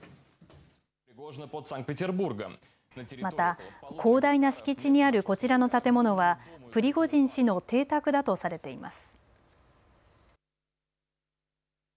また、広大な敷地にあるこちらの建物はプリゴジン氏の邸宅だとされています。